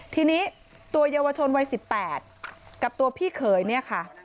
ทีนี้ตัวเยาวชนวัย๑๘กับตัวพี่เขยเนี่ยค่ะ